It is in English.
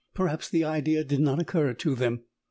Perhaps the idea did not occur to them.